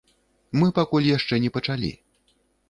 Мы пакуль яшчэ не пачалі.